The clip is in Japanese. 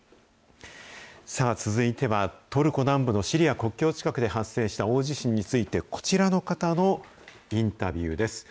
さあ、続いては、トルコ南部のシリア国境近くで発生した大地震について、こちらの方のインタビューです。